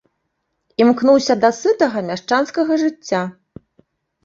Імкнуўся да сытага мяшчанскага жыцця.